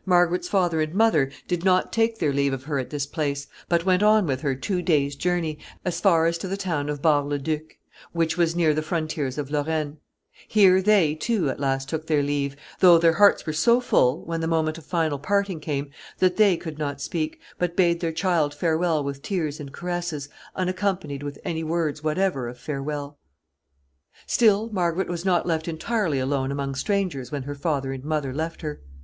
[Sidenote: Margaret's parents.] Margaret's father and mother did not take their leave of her at this place, but went on with her two days' journey, as far as to the town of Bar le Duc, which was near the frontiers of Lorraine. Here they, too, at last took their leave, though their hearts were so full, when the moment of final parting came, that they could not speak, but bade their child farewell with tears and caresses, unaccompanied with any words whatever of farewell. [Sidenote: The bride's new friends.] Still Margaret was not left entirely alone among strangers when her father and mother left her.